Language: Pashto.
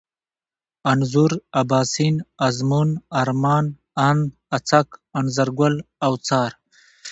انځور ، اباسين ، ازمون ، ارمان ، اند، اڅک ، انځرگل ، اوڅار